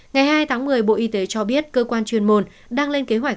ngày hai tháng một mươi bộ y tế cho biết cơ quan chuyên môn đang lên kế hoạch